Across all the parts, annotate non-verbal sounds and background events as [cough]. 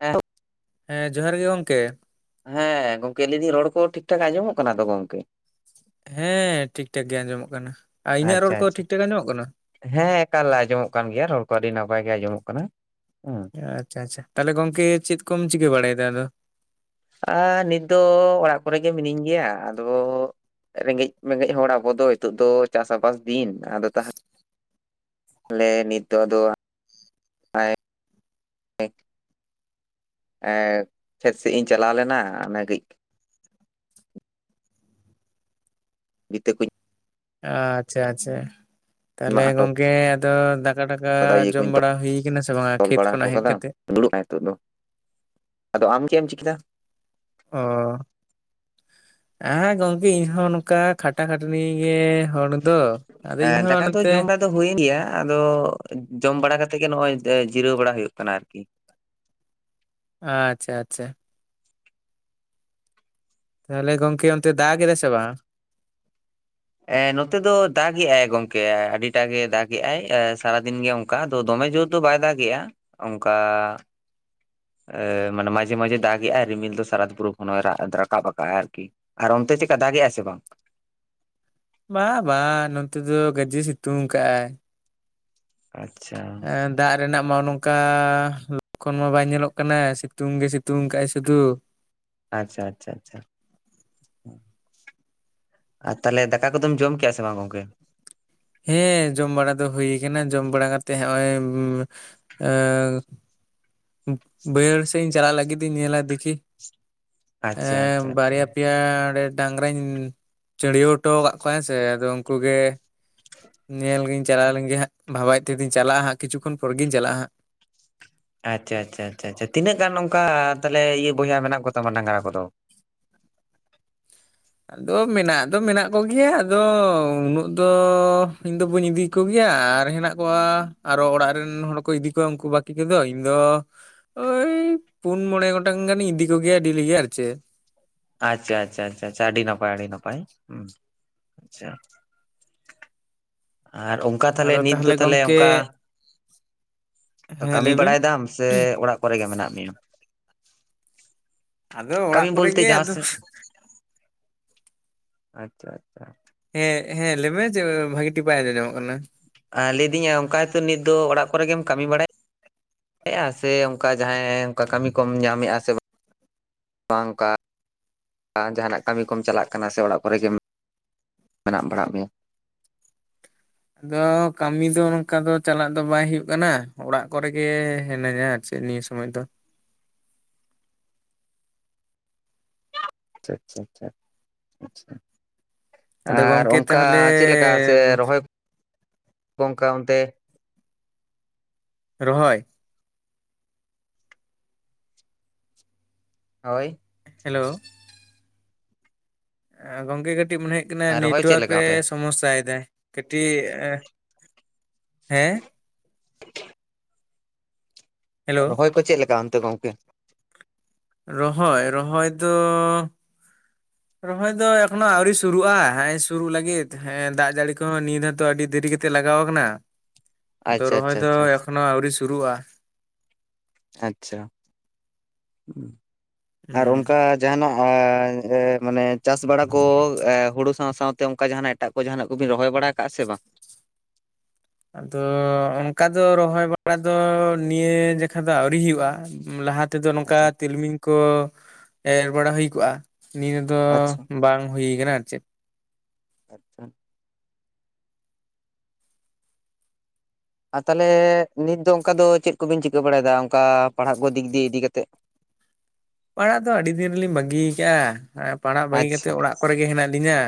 ᱦᱮᱸ ᱦᱮᱸ ᱡᱚᱦᱟᱨ ᱜᱮ ᱜᱚᱢᱠᱮ᱾ ᱦᱮᱸ ᱜᱚᱝᱠᱮ ᱞᱟᱹᱭ ᱫᱤᱧ ᱨᱚᱲ ᱠᱚ ᱴᱷᱤᱠ ᱴᱷᱟᱠ ᱟᱸᱡᱚᱢᱚᱜ ᱠᱟᱱᱟ ᱛᱚ ᱜᱚᱝᱠᱮ᱾ ᱦᱮᱸ ᱴᱷᱤᱠ ᱴᱷᱟᱠ ᱜᱮ ᱟᱸᱡᱚᱢᱚᱜ ᱠᱟᱱᱟ ᱟᱨ ᱤᱧᱟᱹᱜ ᱨᱚᱲ ᱟᱪᱪᱷᱟ ᱠᱚ ᱟᱪᱪᱷᱟ ᱴᱷᱤᱠ ᱴᱷᱟᱠ ᱟᱸᱡᱚᱢᱚᱜ ᱠᱟᱱᱟ᱾ ᱦᱮᱸ ᱮᱠᱟᱞ ᱟᱸᱡᱚᱢᱚᱜ ᱠᱟᱱ ᱜᱮᱭᱟ ᱨᱚᱲ ᱠᱚ ᱟᱹᱰᱤ ᱱᱟᱯᱟᱭ ᱜᱮ ᱟᱸᱡᱚᱢᱚᱜ ᱠᱟᱱᱟ ᱦᱩᱸ᱾ ᱟᱪᱪᱷᱟ ᱟᱪᱪᱷᱟ ᱛᱟᱦᱚᱞᱮ ᱜᱚᱝᱠᱮ ᱪᱮᱫ ᱠᱚᱢ ᱪᱤᱠᱟᱹ ᱵᱟᱲᱟᱭ ᱮᱫᱟ ᱟᱫᱚ᱾ ᱟᱨ ᱱᱤᱛ ᱫᱚ ᱚᱲᱟᱜ ᱠᱚᱨᱮᱜ ᱜᱮ ᱢᱤᱱᱟᱹᱧ ᱜᱮᱭᱟ ᱟᱫᱚ᱾ ᱨᱮᱸᱜᱮᱡ ᱢᱮᱸᱜᱮᱡ ᱦᱚᱲ ᱟᱵᱚ ᱫᱚ ᱱᱤᱛᱚᱜ ᱫᱚ ᱪᱟᱥ ᱟᱵᱟᱫ ᱫᱤᱱ ᱟᱫᱚ ᱛᱟᱦᱞᱮ᱾ ᱟᱞᱮ ᱱᱤᱛ ᱫᱚ ᱟᱫᱚ ᱟᱜ [unintelligible] ᱮ ᱠᱷᱮᱫ ᱥᱮᱫ ᱤᱧ ᱪᱟᱞᱟᱣ ᱞᱮᱱᱟ ᱚᱱᱮ ᱠᱟᱹᱡ᱾ ᱵᱷᱤᱛᱟᱹ ᱠᱩᱧ ᱟᱪᱪᱷᱟ ᱟᱪᱪᱷᱟ, ᱛᱟᱦᱚᱞᱮ ᱢᱟᱜ ᱦᱚᱴᱚ ᱜᱚᱢᱠᱮ ᱟᱫᱚ ᱠᱟ ᱰᱟᱠᱟ ᱠᱟᱫᱟ ᱤᱭᱟᱹ ᱡᱚᱢ ᱠᱩᱧ ᱵᱟᱲᱟ ᱦᱩᱭ ᱟᱠᱟᱱᱟ ᱥᱮ ᱵᱟᱝᱟ ᱠᱷᱮᱛ ᱠᱷᱚᱱᱟᱜ ᱦᱮᱡ ᱠᱟ ᱠᱟᱛᱮ? ᱫᱩᱲᱩᱵ ᱟᱭ ᱱᱤᱛᱳᱜ ᱫᱚ, ᱟᱫᱚ ᱟᱢ ᱪᱮᱫ ᱮᱢ ᱪᱤᱠᱟᱹᱭᱟ? ᱚᱻ ᱦᱮᱸ ᱜᱚᱢ ᱤᱧᱦᱚᱸ ᱱᱚᱝᱠᱟ ᱠᱷᱟᱴᱟ ᱠᱷᱟᱴᱟᱹᱱᱤ ᱜᱮ ᱦᱚᱲ ᱫᱚ, ᱟᱫᱚ ᱤᱧᱦᱚᱸ ᱱᱚᱛᱮ ᱦᱩᱭᱮ ᱜᱮᱭᱟ ᱟᱫᱚ ᱡᱚᱢ ᱵᱟᱲᱟ ᱠᱟᱛᱮ ᱜᱮ ᱱᱚᱜᱼᱚᱭ ᱡᱤᱨᱟᱹᱣ ᱵᱟᱲᱟ ᱦᱳᱭᱳᱜ ᱠᱟᱱᱟ ᱟᱨᱠᱤ᱾ ᱟᱪᱪᱷᱟ ᱟᱪᱪᱷᱟ, ᱛᱟᱦᱚᱞᱮ ᱜᱚᱢᱠᱮ ᱚᱱᱛᱮ ᱫᱟᱜᱽ ᱮᱫᱟ ᱥᱮ ᱵᱟᱝ? ᱮ ᱱᱚᱛᱮ ᱫᱚ ᱫᱟᱜ ᱮᱜ ᱟᱭ ᱜᱚᱢᱠᱮ, ᱟᱹᱰᱤᱴᱟ ᱜᱮ ᱫᱟᱜ ᱮᱜ ᱟᱭ ᱮ ᱥᱟᱨᱟᱫᱤᱱ ᱜᱮ ᱚᱝᱠᱟ ᱫᱚ ᱫᱚᱢᱮ ᱡᱳᱨ ᱫᱚ ᱵᱟᱭ ᱫᱟᱜ ᱮᱼᱟ ᱚᱝᱠᱟ ᱢᱟᱱᱮ ᱢᱟᱡᱷᱮ ᱢᱟᱡᱷᱮ ᱫᱟᱜ ᱮᱜ ᱟᱭ, ᱨᱤᱢᱤᱞ ᱫᱚ ᱥᱟᱨᱟ ᱫᱩᱵᱩᱨᱩ ᱜᱷᱚᱱᱚ ᱨᱟᱫ ᱨᱟᱠᱟᱵ ᱟᱠᱟᱫᱟᱜ ᱟᱭ ᱟᱨᱠᱤ᱾ ᱟᱨ ᱚᱱᱛᱮ ᱪᱮᱜᱠᱟ ᱫᱟᱜ ᱮ ᱟᱭ ᱥᱮ ᱵᱟᱝ? ᱵᱟᱸ ᱵᱟᱝ ᱱᱚᱛᱱᱮ ᱫᱚ ᱜᱟᱡᱮ ᱥᱤᱛᱩᱝ ᱠᱟᱜ-ᱟᱭ᱾ ᱟᱪᱪᱷᱟ, ᱫᱟᱜ ᱨᱮᱱᱟᱜ ᱢᱟ ᱱᱚᱝᱠᱟ ᱞᱚᱠᱠᱷᱚᱱ ᱢᱟ ᱵᱟᱭ ᱧᱮᱞᱚᱜ ᱠᱟᱱᱟ ᱥᱤᱛᱩᱝ ᱜᱮ ᱥᱤᱛᱩᱝ ᱠᱫᱼᱟᱭ ᱥᱩᱫᱷᱩ ᱾ ᱟᱪᱪᱷᱟ ᱟᱪᱪᱷᱟ ᱟᱪᱪᱷᱟ, ᱟᱨ ᱛᱟᱦᱚᱞᱮ ᱫᱟᱠᱟ ᱠᱚᱫᱚᱢ ᱡᱚᱢ ᱠᱮᱜᱼᱟ ᱥᱮ ᱵᱟᱝ ᱜᱚᱢᱠᱮ? ᱦᱮᱸ, ᱡᱚᱢ ᱵᱟᱲᱟ ᱫᱚ ᱦᱳᱭ ᱠᱟᱱᱟ ᱡᱚᱢ ᱵᱟᱲᱟ ᱠᱟᱛᱮᱜ ᱦᱚᱸᱜ-ᱚᱭ ᱮᱸᱻᱮᱸᱻ ᱵᱟᱹᱭᱦᱟᱹᱲ ᱥᱮᱫ ᱤᱧ ᱪᱟᱞᱟᱜ ᱞᱟᱹᱜᱤᱫ ᱤᱧ ᱧᱮᱞᱟ ᱫᱤᱠᱷᱤ᱾ ᱟᱪᱪᱷᱟ ᱮᱸ ᱟᱪᱪᱷᱟ ᱟᱪᱪᱷᱟ ᱵᱟᱨᱭᱟ ᱯᱮᱭᱟ ᱟᱲᱮ, ᱰᱟᱝᱨᱟᱧ ᱪᱟᱹᱲᱭᱟ. ᱣ ᱦᱚᱴᱚ ᱟᱠᱟᱫ ᱠᱚᱣᱟ ᱦᱮᱸ ᱥᱮ ᱟᱫᱚ ᱩᱱᱠᱩ ᱜᱮ ᱥᱮ ᱧᱮᱞ ᱜᱤᱧ ᱪᱟᱞᱟᱣ ᱞᱮᱱ ᱜᱮ ᱦᱟᱸᱜ, ᱵᱷᱟᱵᱟᱭ ᱛᱮᱫᱤᱧ ᱪᱟᱞᱟᱜᱼᱟ ᱦᱟᱸᱜ ᱠᱤᱪᱷᱩ ᱠᱷᱚᱱ ᱯᱚᱨᱜᱤᱧ ᱪᱟᱞᱟᱜᱼᱟ ᱦᱟᱸᱜ᱾ ᱟᱪᱪᱷᱟ ᱟᱪᱪᱷᱟ ᱟᱪᱪᱷᱟ, ᱛᱤᱱᱟᱹᱜ ᱜᱟᱱ ᱱᱝᱠᱟ ᱛᱟᱦᱚᱞᱮ ᱤᱭᱟᱹ ᱵᱚᱭᱦᱟ ᱢᱮᱱᱟᱜ ᱠᱚᱛᱟᱢᱟ ᱰᱟᱝᱨᱟ ᱠᱚ ᱫᱚ? ᱟᱫᱚ ᱢᱮᱱᱟᱜ ᱫᱚ ᱢᱮᱱᱟᱜ ᱠᱚ ᱜᱮᱭᱟ ᱟᱫᱚ ᱩᱱᱟᱹᱜ ᱫᱚ ᱤᱧᱫᱚ ᱵᱟᱹᱧ ᱤᱫᱤ ᱠᱚ ᱜᱮᱭᱟ ᱟᱨ ᱦᱮᱱᱟᱜ ᱠᱚᱣᱟ ᱟᱨᱚ ᱚᱲᱟᱜ ᱨᱮᱱ ᱦᱚᱲ ᱠᱚ ᱤᱫᱤ ᱠᱚᱣᱟ ᱩᱱᱠᱩ ᱵᱟᱹᱠᱤ ᱠᱚ ᱫᱚ ᱤᱧ ᱫᱚ ᱳᱭ ᱯᱩᱱ ᱢᱚᱬᱮ ᱜᱷᱚᱱᱴᱟᱝ ᱜᱟᱱᱤᱧ ᱤᱫᱤ ᱠᱚ ᱜᱮᱭᱟ ᱰᱮᱞᱤ ᱜᱮ ᱟᱨ ᱪᱮ ᱟᱪᱪᱷᱟ ᱟᱪᱪᱷᱟ ᱟᱪᱷᱟ, ᱟᱹᱰᱤ ᱱᱟᱯᱟᱭ ᱟᱹᱰᱤ ᱱᱟᱯᱟᱭ ᱟᱪᱪᱷᱟ ᱩᱸᱪᱷᱟ, ᱟᱨ ᱩᱢ ᱚᱝᱠᱟ ᱛᱟᱞᱦᱮ ᱟᱫᱚ ᱱᱤᱛ ᱫᱚ ᱛᱟᱦᱚᱞᱮ ᱜᱚᱝᱠᱮ ᱚᱝᱠᱟ ᱦᱮᱸ ᱠᱟᱹᱢᱤ ᱞᱟᱹᱭ ᱵᱤᱱ ᱵᱟᱲᱟᱭ ᱫᱟᱢ ᱥᱮ ᱚᱲᱟᱜ? ᱠᱚᱨᱮ ᱜᱮ ᱢᱮᱱᱟᱜ ᱢᱮᱭᱟ? ᱟᱫᱚ ᱠᱟᱹᱢᱤ ᱚᱲᱟᱜ ᱠᱚ ᱨᱮ ᱵᱚᱞᱛᱮ ᱜᱮ ᱡᱟᱦᱟᱸ ᱟᱫᱚ ᱾ ᱥᱮᱫ ᱟᱪᱪᱷᱟ ᱟᱪᱪᱷᱟ, ᱦᱮᱸ ᱦᱮᱸ ᱞᱟᱹᱭ ᱢᱮ ᱪᱮᱫ ᱵᱷᱟᱹᱜᱮ ᱴᱷᱤ ᱵᱟᱭ ᱟᱸᱡᱚᱡᱚᱢᱚᱜ ᱠᱟᱱᱟ ᱾ ᱟᱨ ᱞᱟᱹᱭᱮᱫᱤᱧᱟ ᱚᱝᱠᱟ ᱫᱚ ᱱᱤᱛ ᱫᱚ ᱚᱲᱟᱜ ᱠᱚᱨᱮᱢ ᱠᱟᱹᱢᱤ ᱵᱟᱲᱟᱭ ᱼᱟ ᱥᱮ ᱚᱝᱠᱟ ᱡᱟᱦᱟᱸᱭ ᱚᱝᱠᱟ ᱠᱟᱹᱢᱤ ᱠᱚᱢ ᱧᱟᱢᱮᱫᱼᱟ ᱥᱮ ᱵᱟᱝ? ᱚᱝᱠᱟ ᱡᱟᱦᱟᱱᱟᱜ ᱠᱟᱹᱢᱤ ᱠᱚᱢ ᱪᱟᱞᱟᱜ ᱠᱟᱱᱟ ᱥᱮ ᱚᱲᱟᱜ ᱠᱚ ᱨᱮ ᱜᱮᱢ ᱢᱮᱱᱟᱜ ᱵᱟᱲᱟᱜ ᱢᱮᱭᱟ? ᱟᱫᱚ ᱠᱟᱹᱢᱤ ᱫᱚ ᱱᱚᱝᱠᱟ ᱫᱚ ᱪᱟᱞᱟᱜ ᱫᱚ ᱵᱟᱭ ᱦᱳᱭᱳᱜ ᱠᱟᱱᱟ, ᱚᱲᱟᱜ ᱠᱚᱨᱮᱜ ᱜᱮ ᱦᱮᱱᱟᱹᱧᱟ ᱾ ᱪᱮᱜ ᱱᱤᱭᱟᱹ ᱥᱚᱢᱚᱭ ᱫᱚ? ᱟᱪᱪᱷᱟ ᱟᱪᱪᱷᱟ, ᱟᱫᱚ ᱟᱨ ᱜᱚᱝᱠᱮ ᱚᱝᱠᱟ ᱛᱟᱦᱚᱞᱮ ᱪᱮᱫ ᱞᱮᱠᱟ ᱥᱮ ᱨᱚᱦᱚᱭ ᱜᱚᱝᱠᱮ ᱚᱱᱛᱮ? ᱨᱚᱦᱚᱭ ᱦᱳᱭ ᱦᱮᱞᱳ ᱜᱚᱝᱠᱮ ᱠᱟᱹᱴᱤᱡ ᱢᱚᱱᱮ ᱦᱩᱭᱩᱜ ᱠᱟᱱᱟ ᱨᱚᱦᱚᱭ ᱪᱮᱫ ᱱᱮᱴᱚᱣᱟᱨᱠ ᱞᱮᱠᱟ ᱨᱮ ᱚᱱᱛᱮ ᱥᱚᱢᱚᱥᱟᱭᱮᱫᱟᱭ ᱠᱟᱹᱴᱤᱡ ᱦᱮᱸ [inaudible] ᱦᱮᱞᱳ ᱨᱚᱦᱚᱭ ᱠᱚ ᱪᱮᱫ ᱞᱮᱠᱟ ᱚᱱᱛᱮ ᱜᱚᱝᱠᱮ? ᱨᱚᱦᱚᱭ ᱨᱚᱦᱚᱭ ᱫᱚ [inaudible] ᱨᱚᱦᱚᱭ ᱫᱚ ᱮᱠᱷᱚᱱᱚ ᱟᱣᱨᱤ ᱥᱩᱨᱩᱜᱼᱟ ᱦᱮ ᱥᱩᱨᱩᱜ ᱞᱟᱹᱜᱤᱫᱸ ᱦᱮ ᱫᱟᱜ ᱡᱟᱹᱲᱤ ᱠᱚᱦᱚᱸ ᱱᱤᱭᱟ ᱫᱷᱟᱣ ᱦᱚᱛᱚ ᱟᱹᱰᱤ ᱫᱮᱨᱤ ᱠᱟᱛᱮ ᱛᱮ ᱞᱟᱜᱟᱣ ᱟᱠᱟᱱᱟ᱾ [inaudible] ᱟᱫᱚ ᱨᱚᱦᱚᱭ ᱟᱪᱪᱷᱟ ᱫᱚ ᱟᱪᱪᱷᱟ ᱟᱪᱪᱷᱟ ᱮᱠᱷᱚᱱᱳ ᱟᱹᱣᱨᱤ ᱥᱩᱨᱩᱜᱼᱟ᱾ ᱟᱪᱪᱷᱟ ᱟᱨ ᱦᱩᱸ ᱚᱱᱠᱟ ᱡᱟᱦᱟᱱᱟᱜ ᱢᱟᱱᱮ ᱪᱟᱥ ᱵᱟᱲᱟ ᱠᱚ ᱦᱳᱲᱳ ᱥᱟᱶ ᱥᱟᱶᱛᱮ ᱚᱱᱠᱟ ᱡᱟᱦᱟᱱᱟᱜ ᱮᱴᱟᱜ ᱠᱚ ᱡᱟᱦᱟᱱᱟᱜ ᱠᱚᱵᱤᱱ ᱨᱚᱦᱚᱭ ᱵᱟᱲᱟ ᱟᱠᱟᱜᱼᱟ ᱵᱟᱝ? ᱟᱫᱚ ᱚᱱᱠᱟ ᱫᱚ ᱨᱚᱦᱚᱭ ᱵᱟᱲᱟ ᱫᱚ ᱱᱤᱭᱟᱹ ᱡᱮᱠᱷᱟ ᱫᱚ ᱟᱹᱣᱨᱤ ᱦᱩᱭᱩᱜᱼᱟ᱾ ᱞᱟᱦᱟ ᱛᱮᱫᱚ ᱱᱚᱝᱠᱟ ᱟᱪᱪᱷᱟ ᱛᱤᱞᱢᱤᱧ ᱠᱚ ᱮᱨ ᱵᱟᱲᱟ ᱦᱩᱭ ᱠᱚᱜᱼᱟ ᱱᱤᱭᱟᱹ ᱫᱚ ᱵᱟᱝ ᱦᱩᱭ ᱟᱠᱟᱱᱟ ᱟᱨ ᱪᱮᱫ ᱟᱪᱪᱷᱟ ᱟᱨ ᱛᱟᱦᱚᱞᱮ ᱱᱤᱛ ᱫᱚ ᱚᱱᱠᱟ ᱫᱚ ᱪᱮᱫ ᱠᱚᱵᱤᱱ ᱪᱤᱠᱟᱹ ᱵᱟᱲᱟᱭᱮᱫᱟ ᱚᱱᱠᱟ ᱯᱟᱲᱦᱟᱜ ᱠᱚ ᱫᱤᱠ ᱫᱤᱭᱮ ᱤᱫᱤ ᱠᱟᱛᱮᱫ? ᱯᱟᱲᱦᱟᱜ ᱫᱚ ᱟᱹᱰᱤ ᱫᱤᱱ ᱨᱮᱞᱤᱧ ᱵᱟᱹᱜᱤ ᱠᱟᱜᱼᱟ ᱯᱟᱲᱟᱜ ᱵᱟᱹᱜᱤ ᱟᱪᱪᱷᱟ ᱠᱟᱛᱮᱫ ᱚᱲᱟᱜ ᱠᱚᱨᱮ ᱜᱮ ᱦᱮᱱᱟᱜ ᱞᱤᱧᱟ᱾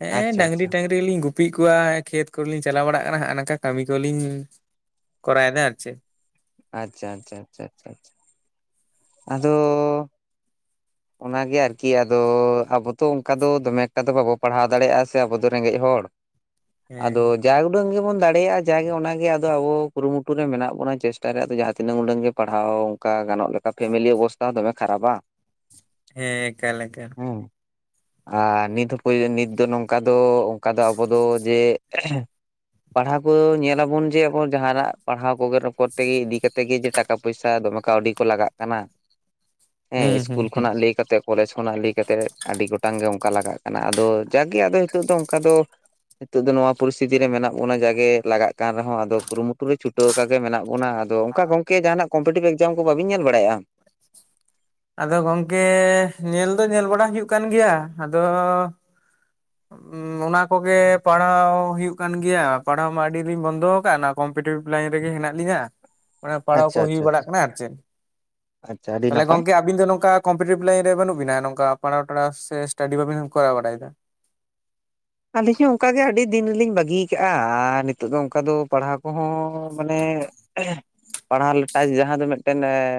ᱦᱮᱸ ᱟᱪᱪᱷᱟ ᱰᱟᱝᱨᱤ ᱟᱪᱪᱷᱟ ᱴᱟᱝᱨᱤ ᱞᱤᱧ ᱜᱩᱯᱤ ᱠᱚᱣᱟ ᱠᱷᱮᱛ ᱠᱚᱨᱮᱞᱤᱧ ᱪᱟᱞᱟᱣ ᱵᱟᱲᱟᱜ ᱠᱟᱱᱟ ᱦᱟᱜᱟ ᱱᱟᱝᱠᱟ ᱠᱟᱹᱢᱤ ᱠᱚᱞᱤᱧ ᱠᱚᱨᱟᱭ ᱫᱟ ᱟᱨᱪᱮ ᱟᱪᱪᱷᱟ ᱟᱪᱪᱷᱟ ᱟᱪᱪᱷᱟ ᱟᱪᱪᱷᱟ ᱟᱫᱚ ᱚᱱᱟᱜᱮ ᱟᱨᱠᱤ ᱟᱫᱚ ᱟᱵᱚ ᱛᱚ ᱚᱱᱠᱟ ᱫᱚ ᱫᱚᱢᱮ ᱮᱠᱴᱟ ᱫᱚ ᱵᱟᱵᱚ ᱯᱟᱲᱦᱟᱣ ᱫᱟᱲᱮᱭᱟᱜᱼᱟ ᱥᱮ ᱟᱵᱚ ᱫᱚ ᱨᱮᱸᱜᱮᱡ ᱦᱚᱲ ᱦᱮᱸ ᱟᱫᱚ ᱡᱟ ᱩᱰᱟᱹᱝ ᱜᱮᱵᱚᱱ ᱫᱟᱲᱮᱭᱟᱜᱼᱟ ᱡᱟᱜᱮ ᱚᱱᱟᱜᱮ ᱟᱫᱚ ᱟᱵᱚ ᱠᱩᱨᱩᱢᱩᱴᱩ ᱨᱮ ᱢᱮᱱᱟᱜ ᱵᱚᱱᱟ ᱪᱮᱥᱴᱟᱨᱮ ᱟᱫᱚ ᱡᱟᱦᱟᱸ ᱛᱤᱱᱟᱹᱜ ᱩᱰᱟᱹᱝ ᱜᱮ ᱯᱟᱲᱦᱟᱣ ᱚᱱᱠᱟ ᱜᱟᱱᱚᱜ ᱞᱮᱠᱟ ᱯᱷᱮᱢᱮᱞᱤ ᱚᱵᱚᱥᱛᱟ ᱦᱚᱸ ᱫᱚᱢᱮ ᱠᱷᱟᱨᱟᱯᱟ᱾ ᱦᱮᱸ ᱮᱠᱟᱞ ᱮᱠᱟᱞ ᱦᱩᱸ ᱟᱨ ᱱᱤᱛ ᱦᱚᱸᱯ ᱱᱤᱛ ᱫᱚ ᱱᱚᱝᱠᱟ ᱫᱚ ᱚᱱᱠᱟ ᱫᱚ ᱟᱵᱚ ᱫᱚ ᱡᱮ ᱯᱟᱲᱦᱟᱣ ᱠᱚ ᱧᱮᱞᱟᱵᱚᱱ ᱡᱮ ᱟᱵᱚ ᱡᱟᱦᱱᱟᱜ ᱯᱟᱲᱦᱟᱣ ᱠᱚ ᱨᱚᱲᱚᱛᱮ ᱤᱫᱤ ᱠᱟᱛᱮ ᱜᱮ ᱡᱮ ᱴᱟᱠ ᱴᱟᱠᱟ ᱯᱚᱭᱥᱟ ᱫᱚᱢᱮ ᱠᱟᱹᱣᱰᱤ ᱠᱚ ᱞᱟᱜᱟᱜ ᱠᱟᱱᱟ᱾ ᱦᱩᱸ ᱦᱩᱸ ᱦᱩᱸ ᱤᱫᱤ ᱠᱟᱛᱮᱜ ᱠᱚᱞᱮᱡᱽ ᱠᱷᱚᱱᱟᱜ ᱞᱟᱹᱭ ᱠᱟᱛᱮ ᱟᱹᱰᱤ ᱜᱚᱴᱟᱝ ᱜᱮ ᱚᱱᱠᱟ ᱞᱟᱜᱟᱜ ᱠᱟᱱᱟ ᱟᱫᱚ ᱡᱟᱜᱮ ᱟᱫᱚ ᱱᱤᱛᱚᱜ ᱫᱚ ᱚᱱᱠᱟ ᱫᱚ ᱱᱤᱛᱚᱜ ᱫᱚ ᱱᱚᱣᱟ ᱯᱚᱨᱤᱥᱛᱤᱛᱤ ᱨᱮ ᱢᱮᱱᱟᱜ ᱵᱚᱱᱟ ᱡᱟᱜᱮ ᱞᱟᱜᱟᱜ ᱠᱟᱱ ᱨᱮᱦᱚᱸ ᱟᱫᱚ ᱠᱩᱨᱩᱢᱩᱴᱩ ᱨᱮ ᱪᱷᱩᱴᱟᱹᱣ ᱟᱠᱟ ᱜᱮ ᱢᱮᱱᱟᱜ ᱵᱚᱱᱟ ᱟᱫᱚ ᱚᱱᱠᱟ ᱜᱚᱝᱠᱮ ᱡᱟᱦᱟᱱᱟᱜ ᱠᱚᱢᱯᱤᱴᱤᱵᱷ ᱮᱠᱡᱟᱢ ᱠᱚ ᱵᱟᱹᱵᱤᱱ ᱧᱮᱞ ᱵᱟᱲᱟᱭᱼᱟ ᱟᱫᱚ ᱜᱚᱝᱠᱮ ᱧᱮᱞ ᱫᱚ ᱧᱮᱞ ᱵᱟᱲᱟ ᱦᱩᱭᱩᱜ ᱠᱟᱱ ᱜᱮᱭᱟ ᱟᱫᱚ ᱚᱱᱟ ᱠᱚᱜᱮ ᱯᱟᱲᱦᱟᱣ ᱦᱩᱭᱩᱜ ᱠᱟᱱ ᱜᱮᱭᱟ ᱯᱟᱲᱦᱟᱣ ᱢᱟ ᱟᱹᱰᱤ ᱫᱤᱧ ᱵᱚᱱᱫᱚ ᱟᱠᱟᱫ ᱱᱟ ᱠᱚᱢᱯᱤᱴᱤᱵᱷ ᱞᱟᱭᱤᱱ ᱨᱮᱜᱤ ᱦᱮᱱᱟᱜ ᱞᱤᱧᱟᱹ᱾ ᱢᱟᱱᱮ ᱯᱟᱲᱦᱟᱣ ᱟᱪᱪᱷᱟ ᱠᱚ ᱦᱩᱭ ᱟᱪᱪᱷᱟ ᱟᱪᱪᱷᱟ ᱵᱟᱲᱟᱜ ᱠᱟᱱᱟ ᱟᱨ ᱪᱮᱫ ᱟᱪᱪᱷᱟ ᱟᱹᱰᱤ ᱛᱟᱦᱚᱞᱮ ᱱᱟᱯᱟᱭ᱾ ᱜᱚᱝᱠᱮ ᱟᱹᱵᱤᱱ ᱫᱚ ᱱᱚᱝᱠᱟ ᱠᱚᱢᱯᱤᱴᱤᱵᱷ ᱞᱟᱭᱤᱱ ᱨᱮ ᱵᱟᱹᱱᱩᱜ ᱵᱤᱱᱟ ᱱᱚᱝᱠᱟ ᱯᱟᱲᱟᱣ ᱴᱟᱲᱟᱣ ᱥᱮ ᱥᱴᱟᱰᱤ ᱵᱟᱵᱤᱱ ᱠᱚᱨᱟᱣ ᱵᱟᱲᱟᱭ ᱫᱟ ᱟᱹᱞᱤᱧ ᱦᱚᱸ ᱚᱱᱠᱟᱜᱮ ᱟᱹᱰᱤ ᱫᱤᱱ ᱨᱮᱞᱤᱧ ᱵᱟᱹᱜᱤᱭ ᱟᱠᱟᱜᱼᱟ ᱟᱨ ᱱᱤᱛᱚᱜ ᱫᱚ ᱚᱱᱠᱟ ᱫᱚ ᱯᱟᱲᱦᱟᱣ ᱠᱚᱦᱚᱸ ᱢᱟᱱᱮ ᱯᱟᱲᱦᱟᱣ ᱞᱮᱴᱟᱪ ᱡᱟᱦᱟᱸ ᱫᱚ ᱢᱤᱫᱴᱮᱱ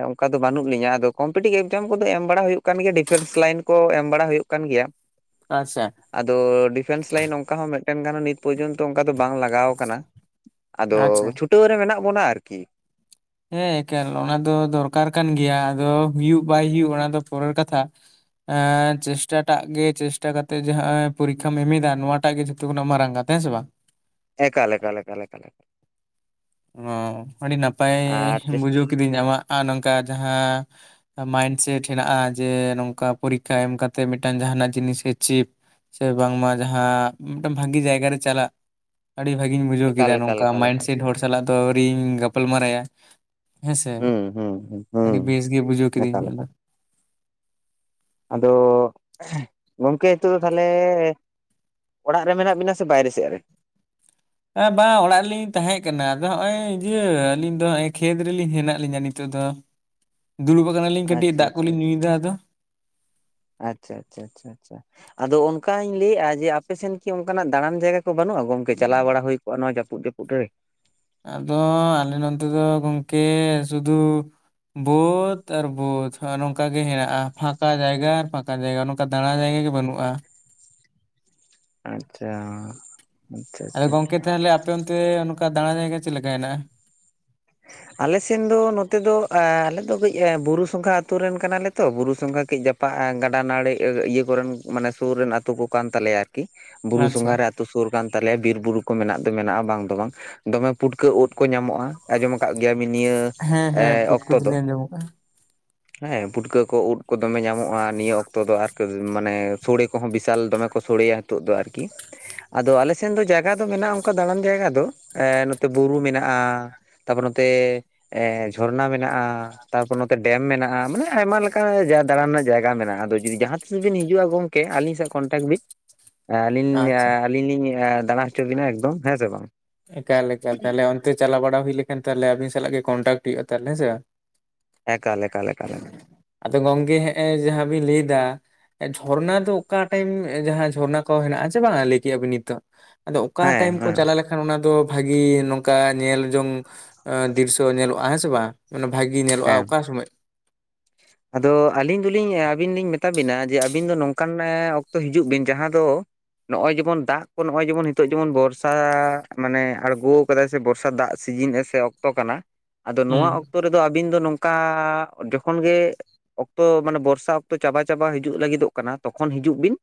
ᱚᱱᱠᱟ ᱫᱚ ᱵᱟᱹᱱᱩᱜ ᱞᱤᱧᱟ ᱟᱫᱚ ᱠᱚᱢᱯᱤᱴᱤᱵᱽ ᱮᱠᱡᱟᱢ ᱠᱚᱫᱚ ᱮᱢ ᱵᱟᱲᱟ ᱦᱩᱭᱩᱜ ᱠᱟᱱ ᱜᱮᱭᱟ ᱰᱤᱯᱷᱮᱱᱥ ᱞᱟᱭᱤᱱ ᱠᱚ ᱮᱢ ᱵᱟᱲᱟ ᱦᱩᱭᱩᱜ ᱠᱟᱱ ᱜᱮᱭᱟ᱾ ᱟᱪᱪᱷᱟ᱾ ᱟᱫᱚ ᱰᱤᱯᱷᱮᱱᱥ ᱞᱟᱭᱤᱱ ᱚᱱᱠᱟ ᱦᱚᱸ ᱢᱤᱫᱴᱮᱱ ᱜᱟᱱ ᱱᱤᱛ ᱯᱚᱨᱡᱚᱱᱛᱚ ᱚᱱᱠᱟ ᱫᱚ ᱵᱟᱝ ᱞᱟᱜᱟᱣ ᱠᱟᱱᱟ ᱾ ᱟᱫᱚ ᱟᱪᱪᱷᱟ ᱪᱷᱩᱴᱟᱹᱣ ᱨᱮ ᱢᱮᱱᱟᱜ ᱵᱚᱱᱟ ᱟᱨᱠᱤ ᱾ ᱦᱮᱸ ᱮᱠᱟᱞ, ᱚᱱᱟ ᱫᱚ ᱫᱚᱨᱠᱟᱨ ᱠᱟᱱ ᱜᱮᱭᱟ ᱟᱫᱚ ᱦᱩᱭᱩᱜ ᱵᱟᱭ ᱦᱩᱭᱩᱜ ᱚᱱᱟ ᱫᱚ ᱯᱚᱨᱮᱨ ᱠᱟᱛᱷᱟ ᱾ ᱮᱸ ᱪᱮᱥᱴᱟ ᱴᱟᱜ ᱜᱮ ᱪᱮᱥᱴᱟ ᱠᱟᱛᱮᱜ ᱡᱟᱦᱟᱸ ᱯᱚᱨᱤᱠᱠᱷᱟᱢ ᱮᱢ ᱮᱫᱟ ᱱᱚᱣᱟᱴᱟᱜ ᱜᱮ ᱡᱚᱛᱚ ᱠᱷᱚᱱᱟᱜ ᱢᱟᱨᱟᱝ ᱠᱟᱛᱷᱟ ᱦᱮᱸ ᱥᱮ ᱵᱟᱝ ᱾ ᱮᱠᱟᱞ ᱮᱠᱟᱞ ᱮᱠᱟᱞ ᱮᱠᱟᱞ ᱾ ᱚ ᱟᱹᱰᱤ ᱱᱟᱯᱟᱭ ᱟᱨ ᱛᱤᱥ ᱵᱩᱡᱷᱟᱹᱣ ᱠᱤᱫᱤᱧ ᱟᱢᱟᱜ ᱱᱚᱝᱠᱟ ᱡᱟᱦᱟᱸ ᱢᱟᱭᱤᱱᱰᱥᱮᱴ ᱦᱮᱱᱟᱜᱼᱟ ᱡᱮᱹ ᱱᱚᱝᱠᱟ ᱯᱚᱨᱤᱠᱠᱷᱟ ᱮᱢ ᱠᱟᱛᱮ ᱢᱤᱫᱴᱟᱱ ᱡᱟᱦᱟᱱᱟᱜ ᱡᱤᱱᱤᱥ ᱜᱮ ᱪᱤᱯ ᱥᱮ ᱵᱟᱝᱢᱟ ᱡᱟᱦᱟᱸ ᱢᱤᱫᱴᱟᱝ ᱵᱷᱟᱹᱜᱤ ᱡᱟᱭᱜᱟ ᱨᱮ ᱪᱟᱞᱟᱜ ᱟᱹᱰᱤ ᱵᱷᱟᱹᱜᱤᱧ ᱵᱩᱡᱷᱟᱹᱣ ᱮᱠᱟᱞ ᱠᱮᱫᱟ, ᱮᱠᱟᱞ ᱱᱚᱝᱠᱟ ᱮᱠᱟᱞ ᱢᱟᱭᱤᱱᱰ ᱮᱠᱟᱞ ᱥᱮᱴ ᱦᱚᱲ ᱥᱟᱞᱟᱜ ᱫᱚ ᱟᱹᱣᱨᱤᱧ ᱜᱟᱯᱟᱞᱢᱟᱨᱟᱣ ᱭᱟ᱾ ᱦᱮᱸᱥᱮ, ᱦᱩᱸ ᱦᱩᱸ ᱦᱩᱸ ᱟᱹᱰᱤ ᱵᱮᱥ ᱜᱮ ᱵᱩᱡᱷᱟᱹᱣ ᱠᱤᱫᱤᱧ ᱮᱠᱟᱞ ᱮᱠᱟᱞ ᱢᱮᱱᱫᱚᱵ ᱾ ᱟᱫᱚ ᱜᱚᱝᱠᱮ ᱱᱤᱛᱳᱜ ᱫᱚ ᱛᱟᱦᱚᱞᱮ ᱚᱲᱟᱜ ᱨᱮ ᱢᱮᱱᱟᱜ ᱵᱤᱱᱟ ᱥᱮ ᱵᱟᱭᱨᱮ ᱥᱮᱫ ᱨᱮ? ᱮ ᱵᱟᱝ ᱚᱲᱟᱜ ᱨᱮᱞᱤᱧ ᱛᱟᱦᱮᱸ ᱠᱟᱱᱟ ᱟᱫᱚ ᱦᱚᱸᱜᱼᱚᱭ ᱤᱭᱟᱹ ᱟᱹᱞᱤᱧ ᱫᱚ ᱦᱚᱸᱜᱼᱚᱭ ᱠᱷᱮᱛ ᱨᱮᱞᱤᱧ ᱦᱮᱱᱟᱜ ᱞᱤᱧᱟ ᱱᱤᱛᱚᱜ ᱫᱚ ᱾ [unintelligible] ᱫᱩᱲᱩᱵ ᱟᱠᱟ ᱱᱟᱞᱤᱧ ᱠᱟᱹᱴᱤᱡ ᱟᱪᱪᱷᱟ ᱫᱟᱜ ᱟᱪᱪᱷᱟ ᱠᱚᱞᱤᱧ ᱟᱪᱪᱷᱟ ᱧᱩᱭᱮᱫᱟ ᱟᱫᱚ ᱾ ᱟᱪᱪᱷᱟ ᱟᱪᱪᱷᱟ ᱟᱪᱪᱷᱟ᱾ ᱟᱪᱪᱷᱟ ᱟᱫᱚ ᱚᱱᱠᱟᱧ ᱞᱟᱹᱭᱮᱫᱼᱟ ᱡᱮᱹ ᱟᱯᱮ ᱥᱮᱱ ᱠᱤ ᱚᱱᱠᱟᱱᱟᱜ ᱫᱟᱸᱬᱟᱱ ᱡᱟᱭᱜᱟ ᱠᱚ ᱵᱟᱹᱱᱩᱜ ᱟ ᱜᱚᱝᱠᱮ ᱪᱟᱞᱟᱣ ᱵᱟᱲᱟ ᱦᱩᱭ ᱠᱚᱜᱼᱟ ᱡᱟᱹᱯᱩᱫ ᱡᱟᱹᱯᱩᱫ ᱨᱮ ᱾ ᱟᱫᱚ ᱟᱞᱮ ᱱᱚᱛᱮ ᱫᱚ ᱜᱚᱢᱠᱮ ᱥᱩᱫᱷᱩ ᱵᱟᱹᱫᱽ ᱟᱨ ᱵᱟᱹᱫᱽ ᱱᱚᱝᱠᱟ ᱜᱮ ᱦᱮᱱᱟᱜᱼᱟ ᱯᱷᱟᱸᱠᱟ ᱡᱟᱭᱜᱟ ᱟᱨ ᱯᱷᱟᱸᱠᱟ ᱡᱟᱭᱜᱟ ᱱᱚ ᱚᱱᱠᱟ ᱫᱟᱸᱬᱟ ᱡᱟᱭᱜᱟ ᱜᱮ ᱵᱟᱹᱱᱩᱜᱼᱟ ᱾ ᱟᱪᱪᱷᱟ ᱾ ᱟᱫᱚ ᱜᱚᱝᱠᱮ ᱛᱟᱦᱚᱞᱮ ᱟᱯᱮ ᱚᱱᱛᱮ ᱱᱚᱝᱠᱟ ᱫᱟᱬᱟ ᱡᱟᱭᱜᱟ ᱪᱮᱫ ᱞᱮᱠᱟ ᱦᱮᱸᱱᱟᱜᱼᱟ ᱾ ᱟᱞᱮ ᱥᱮᱱ ᱫᱚ ᱱᱚᱛᱮ ᱫᱚ ᱟᱞᱮ ᱫᱚ ᱠᱟᱹᱡ ᱵᱩᱨᱩ ᱥᱚᱸᱜᱷᱟ ᱟᱛᱩ ᱨᱮᱱ ᱠᱟᱱᱟᱞᱮ ᱛᱚ ᱵᱩᱨᱩ ᱥᱚᱸᱜᱷᱟ ᱠᱟᱹᱡ ᱡᱟ ᱯᱟᱜ ᱜᱟᱰᱟ ᱱᱟᱹᱲᱤ ᱤᱭᱟᱹ ᱠᱚᱨᱮᱱ ᱢᱟᱱᱮ ᱥᱩᱨ ᱨᱮᱱ ᱟᱹᱛᱩ ᱠᱚ ᱠᱟᱱ ᱛᱟᱞᱮᱭᱟ ᱟᱹᱨᱠᱤ ᱵᱩᱨᱩ ᱟᱪᱪᱷᱟ ᱥᱚᱸᱜᱷᱟ ᱨᱮ ᱥᱩᱨ ᱠᱟᱱ ᱛᱟᱞᱮᱭᱟ ᱵᱤᱨ ᱵᱩᱨᱩ ᱠᱚ ᱢᱮᱱᱟᱜ ᱫᱚ ᱢᱮᱱᱟᱜᱼᱟ ᱵᱟᱝ ᱫᱚ ᱵᱟᱝ ᱫᱚᱢᱮ ᱯᱩᱴᱠᱟᱹ ᱩᱫ ᱠᱚ ᱧᱟᱢᱚᱜᱼᱟ ᱾ ᱟᱸᱡᱚᱢ ᱟᱠᱟᱫ ᱜᱮᱭᱟ ᱵᱤᱱ ᱱᱤᱭᱟᱹ ᱦᱮᱸ ᱦᱮᱸ ᱯᱩᱴᱠᱟᱹ ᱚᱠᱛᱚ ᱫᱚ ᱫᱚᱞᱤᱧ ᱟᱸᱡᱚᱢ ᱟᱠᱟᱜᱼᱟ ᱾ ᱦᱮᱸ ᱯᱩᱴᱠᱟᱹ ᱠᱚ ᱩᱫ ᱠᱚ ᱫᱚᱢᱮ ᱧᱟᱢᱚᱜᱼᱟ ᱱᱤᱭᱟᱹ ᱚᱠᱛᱚ ᱫᱚ ᱟᱨ ᱢᱟᱱᱮ ᱥᱚᱲᱮ ᱠᱚᱦᱚᱸ ᱵᱤᱥᱟᱞ ᱫᱚᱢᱮ ᱠᱚ ᱥᱚᱲᱮᱭᱟ ᱱᱤᱛᱚᱜ ᱫᱚ ᱟᱨᱠᱤ ᱾ ᱟᱫᱚ ᱟᱞᱮ ᱥᱮᱱ ᱫᱚ ᱡᱟᱭᱜᱟ ᱫᱚ ᱢᱮᱱᱟᱜᱼᱟ ᱚᱱᱠᱟ ᱫᱟᱬᱟᱱ ᱡᱟᱭᱜᱟ ᱫᱚ ᱱᱚᱛᱮ ᱵᱩᱨᱩ ᱢᱮᱱᱟᱜᱼᱟ ᱾ ᱛᱟᱯᱚᱨ ᱱᱚᱛᱮ ᱮ ᱡᱷᱚᱨᱱᱟ ᱢᱮᱱᱟᱜᱼᱟ, ᱛᱟᱨᱯᱚᱨ ᱱᱚᱛᱮ ᱰᱮᱢ ᱢᱮᱱᱟᱜᱼᱟ, ᱢᱟᱱᱮ ᱟᱭᱢᱟ ᱞᱮᱠᱟ ᱚᱱᱠᱟ ᱫᱟᱸᱬᱟᱱ ᱨᱮᱱᱟᱜ ᱡᱟᱭᱜᱟ ᱢᱮᱱᱟᱜᱼᱟ ᱟᱫᱚ ᱡᱩᱫᱤ ᱡᱟᱦᱟᱸ ᱛᱤᱥ ᱵᱤᱱ ᱦᱤᱡᱩᱜᱼᱟ ᱜᱚᱢᱠᱮ ᱟᱹᱞᱤᱧ ᱥᱟᱸᱜ ᱠᱚᱱᱴᱟᱠᱴ ᱵᱤᱱ ᱾ ᱦᱮᱸ ᱟᱹᱞᱤᱧ ᱟᱪᱪᱷᱟ ᱟᱹᱞᱤᱧ ᱞᱤᱧ ᱫᱟᱬᱟ ᱦᱚᱪᱚ ᱵᱤᱱᱟ ᱮᱠᱫᱚᱢ ᱦᱮᱸ ᱥᱮ ᱵᱟᱝ᱾ ᱮᱠᱟᱞ ᱮᱠᱟᱞ ᱛᱟᱦᱚᱞᱮ ᱚᱱᱛᱮ ᱪᱟᱞᱟᱣ ᱵᱟᱲᱟ ᱦᱩᱭ ᱞᱮᱠᱷᱟᱱ ᱛᱟᱦᱚᱞᱮ ᱟᱵᱤᱱ ᱥᱟᱞᱟᱜ ᱜᱮ ᱠᱚᱱᱴᱟᱠᱴ ᱦᱩᱭᱩᱜᱼᱟ ᱛᱟᱦᱚᱞᱮ ᱦᱮᱸᱥᱮ ᱵᱟᱝ ᱾ ᱮᱠᱟᱞ ᱮᱠᱟᱞ ᱮᱠᱟᱞ ᱾ ᱟᱫᱚ ᱜᱚᱢᱠᱮ ᱡᱟᱦᱟᱸ ᱵᱤᱱ ᱞᱟᱹᱭᱫᱟ ᱡᱷᱚᱨᱱᱟ ᱫᱚ ᱚᱠᱟ ᱴᱟᱭᱤᱢ ᱡᱟᱦᱟᱸ ᱡᱷᱚᱨᱱᱟ ᱠᱚ ᱦᱮᱱᱟᱜᱼᱟ ᱥᱮ ᱵᱟᱝᱟ ᱞᱟᱹᱭ ᱠᱮᱫᱟ ᱵᱤᱱ ᱱᱤᱛᱚᱜ ᱾ ᱟᱫᱚ ᱚᱠᱟ ᱦᱮᱸ ᱴᱟᱭᱤᱢ ᱦᱮᱸ ᱠᱚ ᱦᱮᱸ ᱪᱟᱞᱟᱣ ᱞᱮᱠᱷᱟᱱ ᱚᱱᱟ ᱫᱚ ᱵᱷᱟᱹᱜᱤ ᱱᱚᱝᱠᱟ ᱧᱮᱞ ᱡᱚᱝ ᱫᱤᱨᱥᱚ ᱧᱮᱞᱚᱜᱼᱟ ᱦᱮᱸ ᱥᱮ ᱵᱟᱝ ᱾ ᱢᱟᱱᱮ ᱵᱷᱟᱹᱜᱤ ᱧᱮᱞᱚᱜᱼᱟ ᱚᱠᱟ ᱥᱚᱢᱚᱭ? ᱟᱫᱚ ᱟᱹᱞᱤᱧ ᱫᱚᱞᱤᱧ ᱟᱹᱵᱤᱱ ᱞᱤᱧ ᱢᱮᱛᱟ ᱵᱤᱱᱟ ᱡᱮ ᱟᱹᱵᱤᱱ ᱫᱚ ᱱᱚᱝᱠᱟᱱ ᱚᱠᱛᱚ ᱦᱤᱡᱩᱜ ᱵᱤᱱ ᱡᱟᱦᱟᱸ ᱫᱚ ᱱᱚᱸᱜᱼᱚᱭ ᱡᱮᱢᱚᱱ ᱫᱟᱜ ᱠᱚ ᱱᱚᱸᱜᱼᱚᱭ ᱡᱮᱢᱚᱱ ᱱᱤᱛᱚᱜ ᱡᱮᱢᱚᱱ ᱵᱚᱨᱥᱟ ᱢᱟᱱᱮ ᱟᱸᱬᱜᱳ ᱠᱟᱫᱟᱭ ᱥᱮ ᱵᱚᱨᱥᱟ ᱫᱟᱜ ᱥᱤᱡᱤᱱ ᱮ ᱥᱮ ᱚᱠᱛᱚ ᱠᱟᱱᱟ, ᱟᱫᱚ ᱦᱩᱸ ᱱᱚᱣᱟ ᱚᱠᱛᱚ ᱨᱮᱫᱚ ᱟᱹᱵᱤᱱ ᱫᱚ ᱱᱚᱝᱠᱟ ᱡᱚᱠᱷᱚᱱ ᱜᱮ ᱚᱠᱛᱚ ᱢᱟᱱᱮ ᱵᱚᱨᱥᱟ ᱚᱠᱛᱚ ᱪᱟᱵᱟ ᱪᱟᱵᱟ ᱦᱤᱡᱩᱜ ᱞᱟᱹᱜᱤᱫᱚᱜ ᱠᱟᱱᱟ ᱛᱚᱠᱷᱚᱱ ᱦᱤᱡᱩᱜ ᱵᱤᱱ,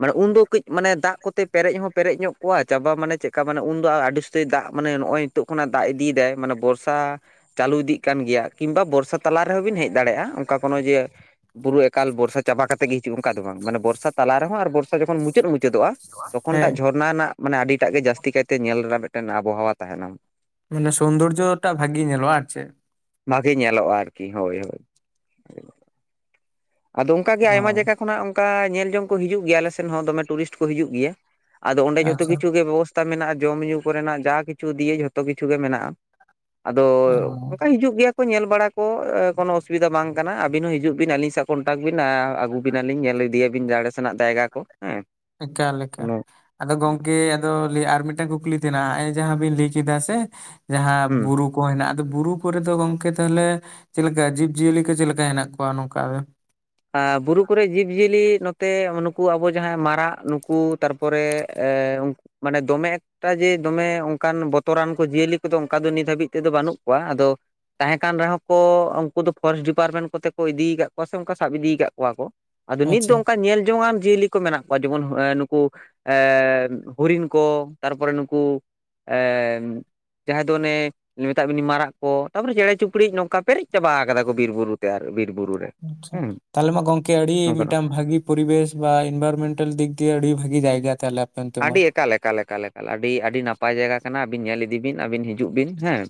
ᱢᱟᱱᱮ ᱩᱱᱫᱚ ᱠᱟᱹᱡ ᱢᱟᱱᱮ ᱫᱟᱜ ᱠᱚᱛᱮ ᱯᱮᱨᱮᱡ ᱦᱚᱸ ᱯᱮᱨᱮᱡ ᱧᱚᱜ ᱠᱚᱜ-ᱟ ᱪᱟᱵᱟ ᱢᱟᱱᱮ ᱪᱮᱫᱠᱟ ᱢᱟᱱᱮ ᱩᱱᱫᱚ ᱟᱹᱰᱤ ᱥᱮ ᱫᱟᱜ ᱢᱟᱱᱮ ᱱᱚᱸᱜᱼᱚᱭ ᱱᱤᱛᱚᱜ ᱤᱫᱤᱭᱫᱟᱭ ᱢᱟᱱᱮ ᱵᱚᱨᱥᱟ ᱪᱟᱹᱞᱩ ᱤᱫᱤᱜ ᱠᱟᱱ ᱜᱮᱭᱟ ᱠᱤᱱᱵᱟ ᱵᱚᱨᱥᱟ ᱛᱟᱞᱟ ᱨᱮᱦᱚᱸ ᱵᱤᱱ ᱦᱮᱡ ᱫᱟᱲᱮᱭᱟᱜᱼᱟ ᱚᱱᱠᱟ ᱠᱳᱱᱳ ᱡᱮ ᱵᱩᱨᱩ ᱮᱠᱟᱞ ᱵᱚᱨᱥᱟ ᱪᱟᱵᱟ ᱠᱟᱛᱮᱜ ᱜᱮ ᱦᱤᱡᱩᱜ ᱚᱱᱠᱟ ᱫᱚ ᱵᱟᱝ ᱢᱟᱱᱮ ᱵᱚᱨᱥᱟ ᱛᱟᱞᱟ ᱨᱮᱦᱚᱸ ᱟᱨ ᱵᱚᱨᱥᱟ ᱡᱚᱠᱷᱚᱱ ᱢᱩᱪᱟᱹᱫ ᱢᱩᱪᱟᱹᱫᱚᱜᱼᱟ ᱛᱚᱠᱷᱚᱱᱴᱟᱜ ᱦᱮᱸ ᱡᱷᱚᱨᱱᱟ ᱨᱮᱱᱟᱜ ᱢᱟᱱᱮ ᱟᱹᱰᱤᱴᱟᱜ ᱜᱮ ᱡᱟᱹᱥᱛᱤ ᱠᱟᱭᱛᱮ ᱧᱮᱞ ᱨᱮᱱᱟᱜ ᱢᱤᱫᱴᱮᱱ ᱟᱵᱚᱦᱟᱣᱟ ᱛᱟᱦᱮᱸᱱᱟ᱾ ᱢᱟᱱᱮ ᱥᱳᱱᱫᱚᱨᱡᱚ ᱴᱟ ᱵᱷᱟᱜᱤ ᱧᱮᱞᱚᱜᱼᱟ ᱟᱨ ᱪᱮᱜ? ᱵᱷᱟᱜᱮ ᱧᱮᱞᱚᱜᱼᱟ ᱟᱨᱠᱤ ᱦᱳᱭ ᱦᱳᱭ᱾ ᱟᱫᱚ ᱚᱱᱠᱟᱜᱮ ᱟᱭᱢᱟ ᱦᱳᱭ ᱡᱟᱭᱜᱟ ᱠᱷᱚᱱᱟᱜ ᱚᱱᱠᱟ ᱧᱮᱞ ᱡᱚᱝ ᱠᱚ ᱦᱤᱡᱩᱜ ᱜᱮᱭᱟ ᱟᱞᱮ ᱥᱮᱱ ᱦᱚᱸ ᱫᱚᱢᱮ ᱴᱩᱨᱤᱥᱴ ᱠᱚ ᱦᱤᱡᱩᱜ ᱜᱮᱭᱟ᱾ ᱟᱫᱚ ᱚᱸᱰᱮ ᱡᱷᱚᱛᱚ ᱟᱪᱪᱷᱟ ᱠᱤᱪᱷᱩ ᱜᱮ ᱵᱮᱵᱚᱥᱛᱟ ᱢᱮᱱᱟᱜᱼᱟ ᱡᱚᱢᱼᱧᱩ ᱠᱚᱨᱮᱱᱟᱜ ᱡᱟ ᱠᱤᱪᱷᱩ ᱫᱤᱭᱮ ᱡᱷᱚᱛᱚ ᱠᱤᱪᱷᱩ ᱜᱮ ᱢᱮᱱᱟᱜᱼᱟ᱾ ᱟᱫᱚ ᱚ ᱚᱱᱠᱟ ᱦᱤᱡᱩᱜ ᱜᱮᱭᱟ ᱠᱚ ᱧᱮᱞ ᱵᱟᱲᱟ ᱠᱚ ᱠᱳᱱᱳ ᱚᱥᱩᱵᱤᱫᱟ ᱵᱟᱝ ᱠᱟᱱᱟ ᱟᱹᱵᱤᱱ ᱦᱚᱸ ᱦᱤᱡᱩᱜ ᱵᱤᱱ ᱟᱹᱞᱤᱧ ᱥᱟᱣ ᱠᱚᱱᱴᱟᱠ ᱵᱤᱱ ᱟᱹᱜᱩ ᱵᱤᱱᱟᱞᱤᱧ ᱧᱮᱞ ᱤᱫᱤᱭᱟᱵᱤᱱ ᱡᱟᱲᱮ ᱥᱮᱱᱟᱜ ᱡᱟᱭᱜᱟ ᱠᱚ ᱦᱮᱸ᱾ ᱮᱠᱟᱞ ᱮᱠᱟᱞ᱾ ᱠᱳᱱᱳ ᱟᱫᱚ ᱜᱚᱝᱠᱮ ᱟᱫᱚ ᱞᱟᱹᱭ ᱟᱨ ᱢᱤᱫᱴᱟᱝ ᱠᱩᱠᱞᱤ ᱛᱮᱱᱟ ᱟᱜ ᱮ ᱡᱟᱦᱟᱸ ᱵᱤᱱ ᱞᱟᱹᱭ ᱠᱮᱫᱟ ᱥᱮ ᱡᱟᱦᱟᱸ ᱦᱩᱸ ᱵᱩᱨᱩ ᱠᱚ ᱦᱮᱸᱱᱟᱜ, ᱟᱫᱚ ᱵᱩᱨᱩ ᱠᱚᱨᱮ ᱫᱚ ᱜᱚᱝᱠᱮ ᱛᱟᱦᱚᱞᱮ ᱪᱮᱫ ᱞᱮᱠᱟ ᱡᱤᱵ ᱡᱤᱭᱟᱹᱞᱤ ᱠᱚ ᱪᱮᱫ ᱞᱮᱠᱟ ᱦᱮᱸᱱᱟᱜ ᱠᱚᱣᱟ ᱱᱚᱝᱠᱟ? ᱟ ᱵᱩᱨᱩ ᱠᱚᱨᱮᱜ ᱡᱤᱵᱽᱼᱡᱤᱭᱟᱹᱞᱤ ᱱᱚᱛᱮ ᱱᱩᱠᱩ ᱟᱵᱚ ᱡᱟᱦᱟᱸᱭ ᱢᱟᱨᱟᱜ ᱱᱩᱠᱩ ᱛᱟᱨᱯᱚᱨᱮ ᱮᱸ ᱢᱟᱱᱮ ᱫᱚᱢᱮ ᱮᱠ ᱮᱴᱟᱜ ᱡᱮ ᱫᱚᱢᱮ ᱚᱱᱠᱟᱱ ᱵᱚᱛᱚᱨᱟᱱ ᱠᱚ ᱡᱤᱭᱟᱹᱞᱤ ᱠᱚᱫᱚ ᱚᱱᱠᱟ ᱫᱚ ᱱᱤᱛ ᱦᱟᱹᱵᱤᱡ ᱛᱮᱫᱚ ᱵᱟᱹᱱᱩᱜ ᱠᱚᱣᱟ ᱟᱫᱚ ᱛᱟᱦᱮᱸ ᱠᱟᱱ ᱨᱮᱦᱚᱸ ᱠᱚ ᱩᱱᱠᱩ ᱫᱚ ᱯᱷᱚᱨᱮᱥᱴ ᱰᱤᱯᱟᱨᱴᱢᱮᱱᱴ ᱠᱚᱛᱮ ᱠᱚ ᱤᱫᱤ ᱠᱟᱫ ᱠᱚᱣᱟ ᱥᱮ ᱚᱱᱠᱟ ᱥᱟᱵ ᱤᱫᱤ ᱠᱟᱫ ᱠᱚᱣᱟ ᱠᱚ ᱟᱫᱚ ᱱᱤᱛ ᱫᱚ ᱟᱪᱪᱷᱟ ᱚᱱᱠᱟ ᱧᱮᱞ ᱡᱚᱝ ᱟᱱ ᱡᱤᱭᱟᱹᱞᱤ ᱠᱚ ᱢᱮᱱᱟᱜ ᱠᱚᱣᱟ ᱡᱮᱢᱚᱱ ᱮ ᱱᱩᱠᱩ ᱮᱸᱻ ᱦᱚᱨᱤᱱ ᱠᱚ ᱛᱟᱨᱯᱚᱨᱮ ᱱᱩᱠᱩ ᱮᱻ ᱡᱟᱦᱟᱸᱭ ᱫᱚ ᱚᱱᱮ ᱢᱮᱛᱟᱜ ᱵᱤᱱᱤ ᱢᱟᱨᱟᱜ ᱠᱚ, ᱛᱟᱨᱯᱚᱨᱮ ᱪᱮᱬᱮ, ᱪᱩᱯᱲᱤ ᱱᱚᱝᱠᱟ ᱯᱮᱨᱮᱡ ᱪᱟᱵᱟ ᱠᱟᱫᱟ ᱠᱚ ᱵᱤᱨ ᱵᱩᱨᱩ ᱛᱮ ᱟᱨ ᱵᱤᱨ ᱵᱩᱨᱩ ᱨᱮ᱾ ᱟᱪᱪᱷᱟ ᱦᱩᱸ ᱛᱟᱦᱚᱞᱮ ᱢᱟ ᱜᱚᱝᱠᱮ ᱟᱹᱰᱤ ᱱᱚᱝᱠᱟᱱᱟᱜ ᱢᱤᱫᱴᱟᱝ ᱵᱷᱟᱹᱜᱤ ᱯᱚᱨᱤᱵᱮᱥ ᱵᱟ ᱤᱱᱵᱷᱟᱭᱨᱚᱢᱮᱱᱴᱟᱞ ᱫᱤᱠ ᱫᱤᱭᱮ ᱟᱹᱰᱤ ᱵᱷᱟᱜᱤ ᱡᱟᱭᱜᱟ ᱛᱟᱦᱞᱮ᱾ ᱟᱹᱰᱤ ᱮᱠᱟᱞ ᱮᱠᱟᱞ ᱮᱠᱟᱞ ᱮᱠᱟᱞ ᱟᱹᱰᱤ ᱟᱹᱰᱤ ᱱᱟᱯᱟᱭ ᱡᱟᱭᱜᱟ ᱠᱟᱱᱟ ᱟᱹᱵᱤᱱ ᱧᱮᱞ ᱤᱫᱤ ᱵᱤᱱ ᱟᱹᱵᱤᱱ ᱦᱤᱡᱩᱜ ᱵᱤᱱ ᱦᱮᱸ᱾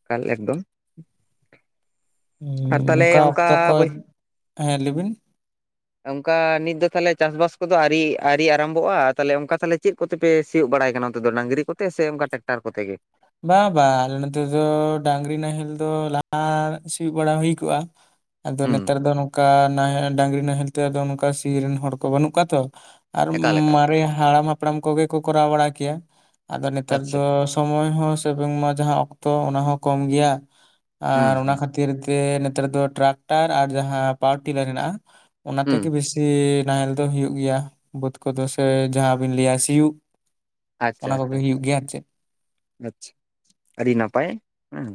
ᱮᱠᱟᱞ ᱮᱠᱫᱚᱢ᱾ ᱟᱨ ᱩᱸ ᱛᱟᱦᱚᱞᱮ ᱚᱱᱠᱟ ᱚᱠᱛᱚ ᱠᱚ, ᱵᱟᱹᱭ ᱦᱮᱸ ᱞᱟᱹᱭ ᱵᱤᱱ᱾ ᱚᱱᱠᱟ ᱱᱤᱛ ᱫᱚ ᱛᱟᱦᱞᱮ ᱪᱟᱥ-ᱵᱟᱥ ᱠᱚᱫᱚ ᱟᱣᱨᱤ ᱟᱣᱨᱤ ᱟ ᱨᱟᱢᱵᱚᱜᱼᱟ ᱛᱟᱦᱚᱞᱮ ᱚᱱᱠᱟ ᱛᱟᱦᱚᱞᱮ ᱪᱮᱫ ᱠᱚᱛᱮᱯᱮ ᱥᱤᱭᱳᱜ ᱵᱟᱲᱟᱭ ᱠᱟᱱᱟ ᱚᱱᱛᱮ ᱫᱚ ᱰᱟᱝᱨᱤ ᱠᱚᱛᱮ ᱥᱮ ᱚᱱᱠᱟ ᱴᱮᱠᱴᱟᱨ ᱠᱚᱛᱮ ᱜᱮ? ᱵᱟᱝ ᱵᱟᱝ ᱟᱞᱮ ᱱᱚᱛᱮ ᱫᱚ ᱰᱟᱝᱨᱤ ᱱᱟᱦᱮᱞ ᱫᱚ ᱞᱟᱦᱟ ᱥᱤᱭᱩᱜ ᱵᱟᱲᱟ ᱦᱩᱭ ᱠᱚᱜᱼᱟ᱾ ᱟᱫᱚ ᱦᱩᱸ ᱱᱮᱛᱟᱨ ᱫᱚ ᱱᱚᱝᱠᱟ ᱱᱟᱦᱮᱞ ᱰᱟᱝᱨᱤ ᱱᱟᱦᱮᱞ ᱛᱮ ᱟᱫᱚ ᱱᱚᱝᱠᱟ ᱥᱤ ᱨᱮᱱ ᱦᱚᱲ ᱠᱚ ᱵᱟᱹᱱᱩᱜ ᱠᱚᱣᱟ ᱛᱚ, ᱟᱨ ᱮᱠᱟᱞ ᱮᱠᱟᱞ ᱢᱟᱨᱮ ᱦᱟᱲᱟᱢ ᱦᱟᱯᱲᱟᱢ ᱠᱚᱜᱮ ᱠᱚ ᱠᱚᱨᱟᱣ ᱵᱟᱲᱟ ᱠᱮᱭᱟ ᱟᱫᱚ ᱱᱮᱛᱟᱨ ᱫᱚ ᱟᱪᱪᱷᱟ ᱥᱚᱢᱚᱭ ᱦᱚᱸ ᱥᱮ ᱵᱟᱝᱢᱟ ᱡᱟᱦᱟᱸ ᱚᱠᱛᱚ ᱚᱱᱟ ᱦᱚᱸ ᱠᱚᱢ ᱜᱮᱭᱟ, ᱟᱨ ᱦᱩᱸ ᱚᱱᱟ ᱦᱩᱸ ᱠᱷᱟᱹ ᱠᱷᱟᱹᱛᱤᱨ ᱛᱮ ᱱᱮᱛᱟᱨ ᱫᱚ ᱴᱨᱟᱠᱴᱟᱨ ᱟᱨ ᱡᱟᱦᱟᱸ ᱯᱟᱣᱟᱨ ᱴᱤᱞᱟᱨ ᱦᱮᱱᱟᱜᱼᱟ, ᱚᱱᱟ ᱦᱩᱸ ᱛᱮᱜᱮ ᱵᱮᱥᱤ ᱡᱮ ᱱᱟᱦᱮᱞ ᱫᱚ ᱦᱩᱭᱩᱜ ᱜᱮᱭᱟ ᱵᱟᱹᱫᱽ ᱠᱚᱫᱚ ᱥᱮ ᱡᱟᱦᱟᱸ ᱵᱤᱱ ᱞᱟᱹᱭᱟ ᱥᱤᱭᱩᱜ ᱚᱱᱟ ᱠᱚᱜᱮ ᱦᱩᱭᱩᱜ ᱜᱮᱭᱟ ᱟᱨ ᱪᱮᱫ᱾ ᱟᱪᱷᱟ ᱟᱹᱰᱤ ᱱᱟᱯᱟᱭ ᱦᱮᱸ᱾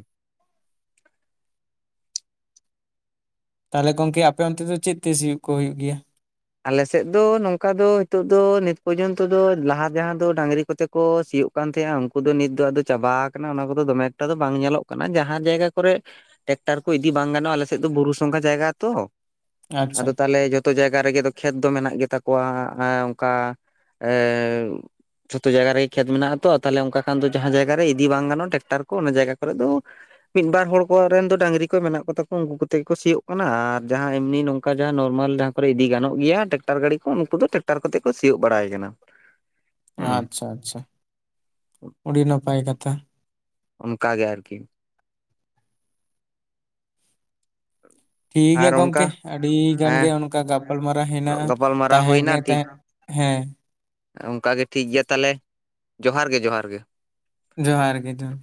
ᱛᱟᱦᱚᱞᱮ ᱜᱚᱝᱠᱮ ᱟᱯᱮ ᱚᱱᱛᱮ ᱫᱚ ᱪᱮᱫ ᱛᱮ ᱥᱤᱭᱩᱜ ᱠᱚ ᱦᱩᱭᱩᱜ ᱜᱮᱭᱟ? ᱟᱞᱮ ᱥᱮᱫ ᱫᱚ ᱱᱚᱝᱠᱟ ᱫᱚ ᱱᱤᱛᱚᱜ ᱫᱚ ᱱᱤᱛ ᱯᱚᱨᱡᱚᱱᱛᱚ ᱫᱚ ᱞᱟᱦᱟ ᱡᱟᱦᱟᱸ ᱫᱚ ᱰᱟᱹᱝᱨᱤ ᱠᱚᱛᱮ ᱠᱚ ᱥᱤᱭᱳᱜ ᱠᱟᱱ ᱛᱟᱦᱮᱸᱜ-ᱟ ᱩᱱᱠᱩ ᱫᱚ ᱱᱤᱛ ᱫᱚ ᱟᱫᱚ ᱪᱟᱵᱟ ᱟᱠᱟᱱᱟ ᱚᱱᱟ ᱠᱚᱫᱚ ᱫᱚᱢᱮ ᱮᱠᱴᱟ ᱫᱚ ᱵᱟᱝ ᱧᱮᱞᱚᱜ ᱠᱟᱱᱟ ᱡᱟᱦᱟᱸ ᱡᱟᱭᱜᱟ ᱠᱚᱨᱮ ᱴᱮᱠᱴᱟᱨ ᱠᱚ ᱤᱫᱤ ᱵᱟᱝ ᱜᱟᱱᱚᱜᱼᱟ ᱟᱞᱮᱥᱮᱫ ᱫᱚ ᱵᱩᱨᱩ ᱥᱚᱝᱜᱷᱟ ᱡᱟᱭᱜᱟ ᱛᱚ, ᱟᱪᱪᱷᱟ ᱟᱫᱚ ᱛᱟᱦᱚᱞᱮ ᱡᱚᱛᱚ ᱡᱟᱭᱜᱟ ᱨᱮᱜᱮ ᱫᱚ ᱠᱷᱮᱛ ᱫᱚ ᱢᱮᱱᱟᱜ ᱜᱮᱛᱟ ᱠᱚᱣᱟ ᱚᱱᱠᱟ ᱮᱸᱻ ᱡᱷᱚᱛᱚ ᱡᱟᱭᱜᱟ ᱨᱮ ᱠᱷᱮᱛ ᱢᱮᱱᱟᱜ-ᱟ ᱛᱚ, ᱛᱟᱦᱞᱮ ᱚᱱᱠᱟ ᱠᱷᱟᱱ ᱫᱚ ᱡᱟᱦᱟᱸ ᱡᱟᱭᱜᱟ ᱨᱮ ᱤᱫᱤ ᱵᱟᱝ ᱜᱟᱱᱼᱟ ᱴᱮᱠᱴᱟᱨ ᱠᱚ ᱚᱱᱟ ᱡᱟᱭᱜᱟ ᱠᱚᱨᱮ ᱫᱚ ᱢᱤᱫ ᱵᱟᱨ ᱦᱚᱲ ᱠᱚᱣᱟᱜ ᱨᱮᱱ ᱫᱚ ᱰᱟᱝᱨᱤ ᱠᱚ ᱢᱮᱱᱟᱜ ᱠᱚᱛᱟ ᱠᱚ ᱩᱱᱠᱩ ᱠᱚᱛᱮ ᱜᱮᱠᱚ ᱥᱤᱭᱳᱜ ᱠᱟᱱᱟ ᱟᱨ ᱡᱟᱦᱟᱸ ᱮᱢᱱᱤ ᱱᱚᱝᱠᱟ ᱡᱟᱦᱟᱸ ᱱᱚᱨᱢᱟᱞ ᱡᱟᱦᱟᱸ᱾ ᱠᱚᱨᱮ ᱤᱫᱤ ᱜᱟᱱᱚᱜ ᱜᱮᱭᱟ ᱴᱮᱠᱴᱟᱨ ᱜᱟᱹᱰᱤ ᱠᱚ ᱩᱱᱠᱩ ᱫᱚ ᱴᱮᱠᱴᱟᱨ ᱠᱚᱛᱮ ᱠᱚ ᱥᱤᱭᱩᱜ ᱵᱟᱲᱟᱭ ᱠᱟᱱᱟ᱾ ᱦᱩᱸ ᱟᱪᱪᱷᱟ ᱟᱪᱪᱷᱟ ᱚᱰᱤ ᱱᱟᱯᱟᱭ ᱠᱟᱛᱷᱟ᱾ ᱚᱱᱠᱟ ᱜᱮ ᱟᱨᱠᱤ᱾ ᱴᱷᱤᱠ ᱜᱮᱭᱟ ᱟᱨ ᱚᱱᱠᱟ ᱜᱚᱢᱠᱮ, ᱟᱹᱰᱤ ᱜᱟᱱ ᱜᱮ ᱦᱮᱸ ᱚᱱᱠᱟ ᱜᱟᱯᱟᱞᱢᱟᱨᱟᱣ ᱦᱮᱱᱟᱜᱼᱟ, ᱜᱟᱯᱟᱞᱢᱟᱨᱟᱣ ᱛᱟᱦᱮᱸ ᱜᱮ ᱛᱟᱦᱮᱸ᱾ ᱦᱮᱸ, ᱚᱱᱠᱟᱜᱮ ᱴᱷᱤᱠ ᱜᱮᱭᱟ ᱛᱟᱦᱚᱞᱮ ᱡᱚᱦᱟᱨ ᱜᱮ ᱡᱚᱦᱟᱨ ᱜᱮ᱾ ᱡᱚᱦᱟᱨ ᱜᱮ ᱡᱚᱦᱟᱨ᱾